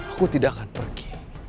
aku tidak akan pergi